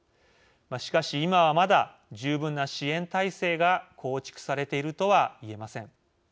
しかし、今はまだ十分な支援体制が構築されているとは言えません。